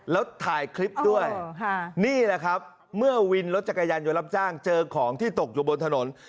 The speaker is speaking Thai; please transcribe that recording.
แล้วถ่ายคลิปด้วยนี่แหละครับเมื่อวินรถจักรยานยนต์รับจ้างเจอของที่ตกอยู่บนถนน